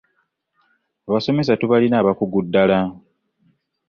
Abasomesa tubalina abakugu ddala.